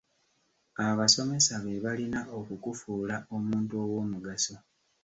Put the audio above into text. Abasomesa be balina okukufuula omuntu ow'omugaso.